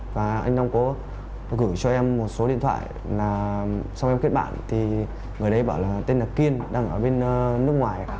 và anh long có gửi cho em một số điện thoại là xong em kết bạn thì người đấy bảo là tên là kiên đang ở bên nước ngoài